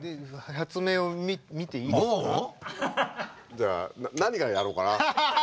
じゃあ何からやろうかな。